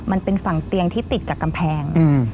มันเป็นฝั่งเตียงที่ติดกับกำแพง